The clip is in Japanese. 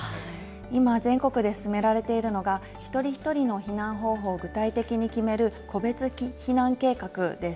今、全国で進められているのが、一人一人の避難方法を具体的に決める、個別避難計画です。